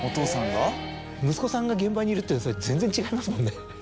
息子さんが現場にいるって全然違いますもんね。